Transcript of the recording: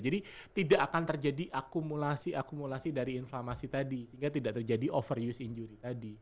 jadi tidak akan terjadi akumulasi akumulasi dari inflammasi tadi sehingga tidak terjadi overuse injury tadi